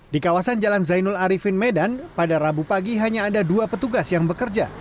di kawasan jalan zainul arifin medan pada rabu pagi hanya ada dua petugas yang bekerja